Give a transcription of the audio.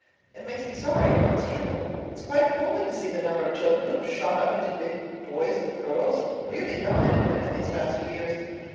It makes me sorry—but it's true. It's quite appalling to see the number of children who have shot up into big boys and girls—really young men and women—these past two years.